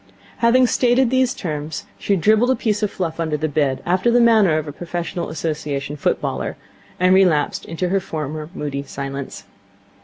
Having stated these terms, she dribbled a piece of fluff under the bed, after the manner of a professional Association footballer, and relapsed into her former moody silence.